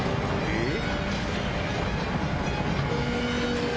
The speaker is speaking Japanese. えっ？